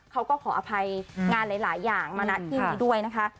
เขาก็ขออภัยงานหลายอย่างมานัดที่ด้วยนะคะ